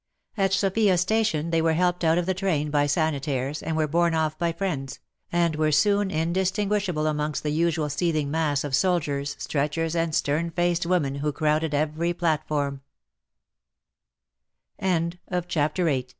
At Sofia station they were helped out of the train by Sanitaires and were borne off by friends, and were soon indistinguishable amongst the usual seething mass of soldiers, stretchers and stern faced women who crowded every platfor